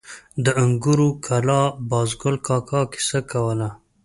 د انګورو کلا بازګل کاکا کیسه کوله.